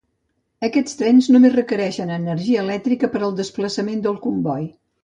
Aquests trens només requereixen energia elèctrica per al desplaçament del comboi.